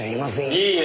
いいえ！